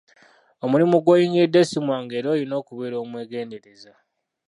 Omulimu gw'oyingiridde si mwangu era olina okubeera omwegendereza.